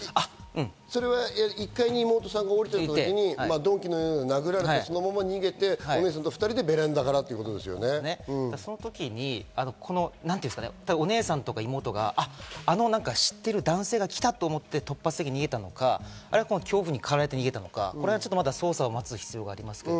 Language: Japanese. １階に妹さんが降りていた時に鈍器のようなもので殴られて、お姉さんと２人でベランダからとその時にお姉さんとか妹が、あの知ってる男性が来たと思って突発的に逃げたのか、恐怖にかられて逃げたのか、捜査を待つ必要がありますけど。